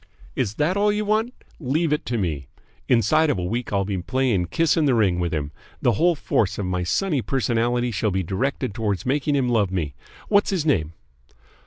"Is that all you want? Leave it to me. Inside of a week I'll be playing kiss in the ring with him. The whole force of my sunny personality shall be directed towards making him love me. What's his name?"